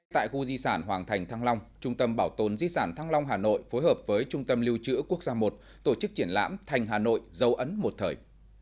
tại khu di sản hoàng thành thăng long trung tâm bảo tồn di sản thăng long hà nội phối hợp với trung tâm lưu trữ quốc gia i tổ chức triển lãm thành hà nội dâu ấn một thời